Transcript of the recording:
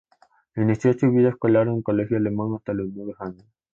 Inició su vida escolar en el Colegio Alemán hasta los nueve años.